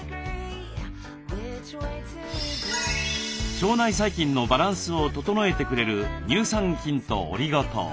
腸内細菌のバランスを整えてくれる乳酸菌とオリゴ糖。